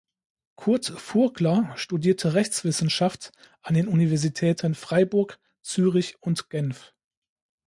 Kurt Furgler studierte Rechtswissenschaft an den Universitäten Freiburg, Zürich und Genf.